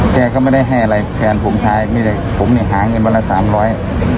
แกก็ไม่ได้ให้อะไรแฟนผมใช้ไม่ได้ผมเนี่ยหาเงินวันละสามร้อย